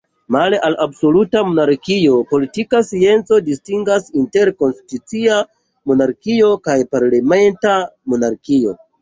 Male al absoluta monarkio, politika scienco distingas inter konstitucia monarkio kaj parlamenta monarkio.